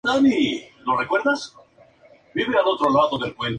De acuerdo con el booklet de "What a Terrible World, What a Beautiful World".